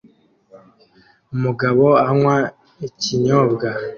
Umugabo anywa ikinyobwa